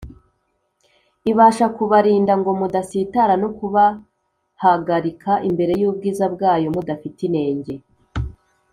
ibasha kubarinda ngo mudasitara, no kubahagarika imbere y'ubwiza bwayo mudafite inenge,